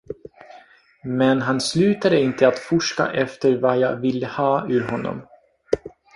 Men han slutade inte att forska efter vad jag ville ha ur honom.